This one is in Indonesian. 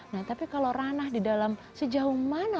nah tapi kalau ranah di dalam sejauh mana